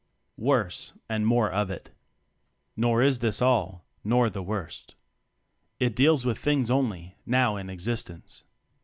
Worse and More of It. Nor is this all, nor the worst. It deals with things only, now in existence.